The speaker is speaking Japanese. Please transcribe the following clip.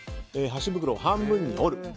箸袋を半分に折る。